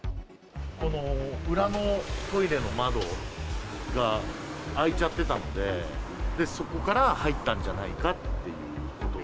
この裏のトイレの窓が開いちゃってたので、そこから入ったんじゃないかということを。